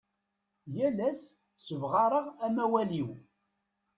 Yal ass sebɣareɣ amawal-iw.